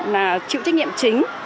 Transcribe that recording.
là chịu trách nhiệm chính